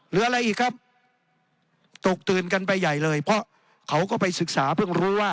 หรืออะไรอีกครับตกตื่นกันไปใหญ่เลยเพราะเขาก็ไปศึกษาเพิ่งรู้ว่า